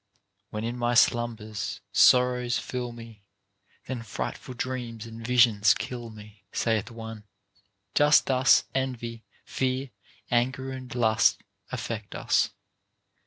When in my slumbers sorrows fill me, Then frightful dreams and visions kill me, saith one ; just thus envy, fear, anger, and lust affect us.